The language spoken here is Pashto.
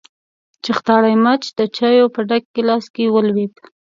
چختاړي مچ د چايو په ډک ګيلاس کې ولوېد.